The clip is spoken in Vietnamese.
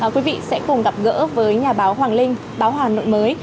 quý vị sẽ cùng gặp gỡ với nhà báo hoàng linh báo hà nội mới